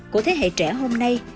của thế hệ trẻ hôm nay